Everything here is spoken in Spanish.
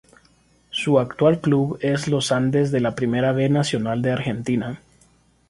Su actual club es Los Andes de la Primera B Nacional de Argentina.